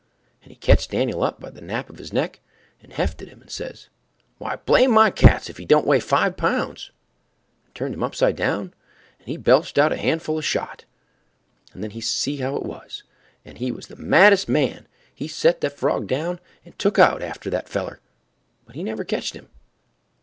And he ketched Dan'l up by the nap of the neck, and hefted him, and says, "Why blame my cats if he don't weigh five pounds!" and turned him upside down and he belched out a double handful of shot. And then he see how it was, and he was the maddest man—he set the frog down and took out after that feller, but he never ketched him.